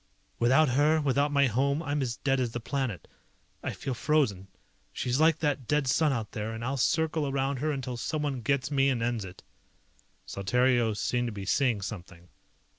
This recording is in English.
"Without her, without my home, I'm as dead as the planet. I feel frozen. She's like that dead sun out there, and I'll circle around her until someone gets me and ends it." Saltario seemed to be seeing something.